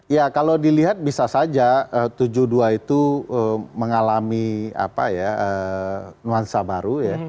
ya kalau dilihat bisa saja tujuh puluh dua itu mengalami nuansa baru ya